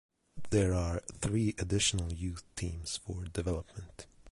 There are three additional youth teams for development.